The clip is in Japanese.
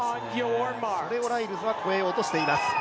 それをライルズは超えようとしています。